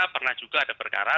pernah juga ada perkara